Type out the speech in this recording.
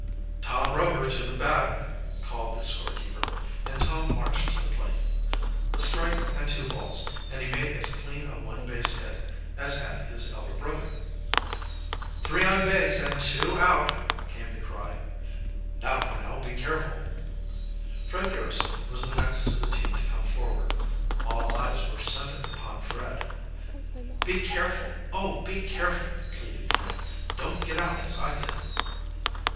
"Tom Rover to the bat!" called the score keeper, and Tom marched to the plate. A strike and two balls, and he made as clean a one base hit as had his elder brother. "Three on base and two out!" came the cry. "Now, Pornell, be careful!" Fred Garrison was the next of the team to come forward. All eyes were centered upon Fred. "Be careful, oh, be careful!" pleaded Frank. "Don't get out as I did!"